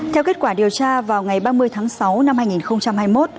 theo kết quả điều tra vào ngày ba mươi tháng sáu năm hai nghìn hai mươi một